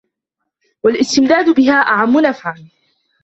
وَالِاسْتِمْدَادُ بِهَا أَعَمُّ نَفْعًا